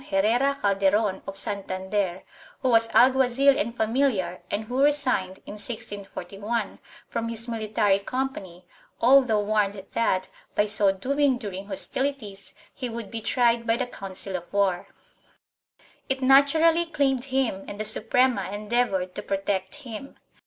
IV] MILITARY ORDERS 505 Antonio Herrera Calderon, of Sant antler, who was alguazil and familiar and who resigned, in 1641, from his military company, although warned that, by so doing during hostilities, he would be tried by the Council of War. It naturally claimed him and the Suprema endeavored to protect him.